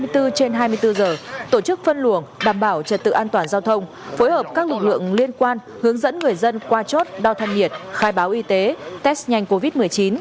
hai mươi bốn trên hai mươi bốn giờ tổ chức phân luồng đảm bảo trật tự an toàn giao thông phối hợp các lực lượng liên quan hướng dẫn người dân qua chốt đo thân nhiệt khai báo y tế test nhanh covid một mươi chín